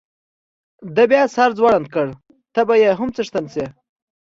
ده بیا سر ځوړند کړ، ته به یې هم څښتن شې.